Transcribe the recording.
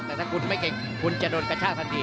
แต่ถ้าคุณไม่เก่งคุณจะโดนกระชากทันที